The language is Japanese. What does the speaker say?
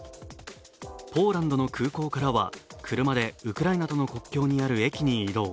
ポーランドの空港からは車でウクライナとの国境にある駅に移動。